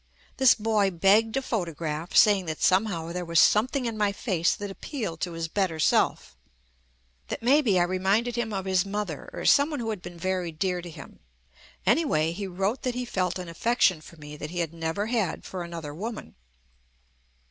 This boy begged a photograph, saying that somehow there was something in my face that appealed to his better self. That maybe I reminded him of his mother or some one who had been very dear to him. Anyway, he wrote that he felt an affection for me that he had never had for another woman.